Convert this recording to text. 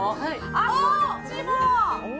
あっ、こっちも！